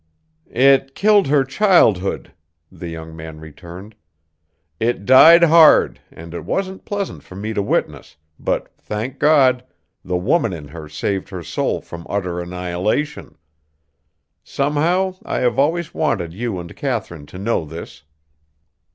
"It killed her childhood," the young man returned; "it died hard, and it wasn't pleasant for me to witness, but, thank God, the woman in her saved her soul from utter annihilation. Somehow, I have always wanted you and Katharine to know this."